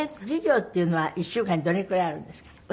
授業っていうのは１週間にどれくらいあるんですか？